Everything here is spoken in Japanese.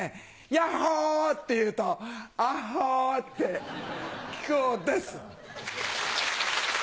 「ヤッホ！」って言うと「アッホ！」って木久扇です。